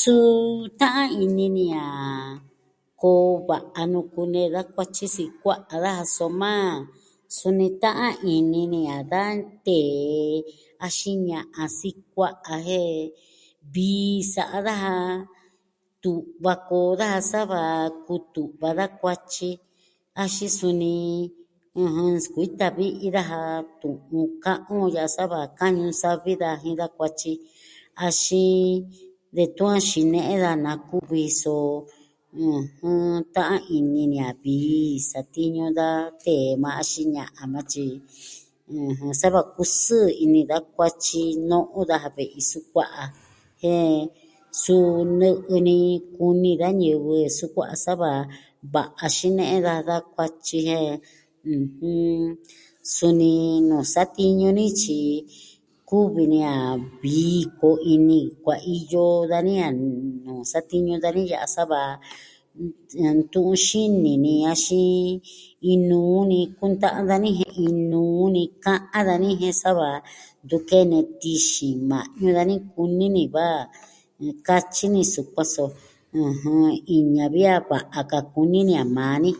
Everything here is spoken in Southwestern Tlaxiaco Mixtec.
Suu, ta'an ini ni a koo va'a nuu kunee da kuatyi sikua'a daja. Soma, suni ta'an ini ni a da tee axin ña'an sikua'a. Jen vii sa'a daja. Tu'va koo daja sava kutu'va da kuatyi. Axin suni, ɨjɨn... nsikuita vi'i daja tu'un ka'an on ya'a sa va ka'an Ñuu Savi da jin da kuatyi. Axin, detun a xine'e daja nakuvi, so... ɨjɨn, ta'an ini ni a vii satiñu da tee yukuan axin ña'an yukuan tyi, ɨjɨn, sava kusɨɨ ini da kuatyi no'on daja ve'i sukua'a. Jen su, nɨ'ɨ ni kuni da ñivɨ sukua'a sa va va'a xine'e daja da kuatyi. Jen, ɨjɨn. Suni nuu satiñu ni, tyi kuvi ni a vii koo ini kuaiyo dani a nuu satiñu dani ya'a. Sa va, ntu'un xini ni. Axin... Inuu ni kunta'an dani jen inuu ni ka'an dani jen sava, ntu kene tixin ma'ñu dani kuni ni va katyi ni sukuan. So ɨjɨn. Iña vi a va'a ka kuni ni a maa ni.